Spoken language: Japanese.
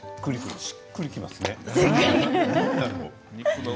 しっくりきますね。